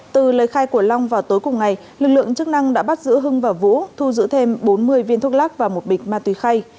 từ lời khai của long vào tối cùng ngày lực lượng chức năng đã bắt giữ hưng và vũ thu giữ thêm bốn mươi viên thuốc lắc và một bịch ma túy khay